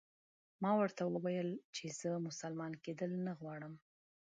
ما ورته وویل چې زه مسلمان کېدل نه غواړم.